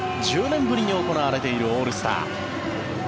１０年ぶりに行われているオールスター。